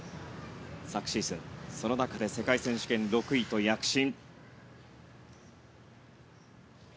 昨シーズン、その中で世界選手権６位と躍進。